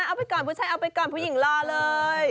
เอาไปก่อนผู้ชายเอาไปก่อนผู้หญิงรอเลย